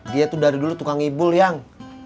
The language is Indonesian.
dia tuh dari dulu tukang ibul yang